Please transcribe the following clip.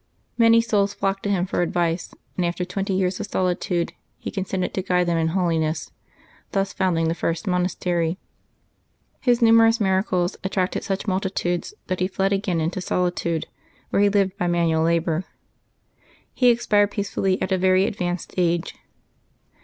Many souls flocked to him for advice, and after twenty years of solitude he consented to guide them in holiness — thus for Tiding the first monastery. His numerous miracles at ' tracted such multitudes that he fled again into solitude, where he lived by manual labor. He expired peacefully at a very advanced age.